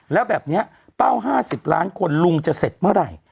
แล้วแบบนี้เป้า๕๐ล้านคนลุงจะเสร็จเมื่อไหร่